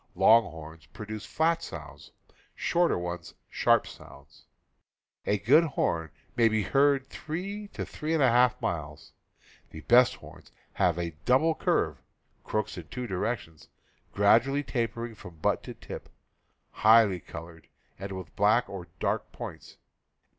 Long horns produce flat sounds, shorter ones sharp sounds. A good horn may be heard three to three and a half miles. The best horns have a double curve (crooks in two directions), gradually tapering from butt to tip, highly colored, or with black or dark points.